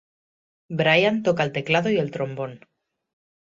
Brian toca el teclado y el trombón.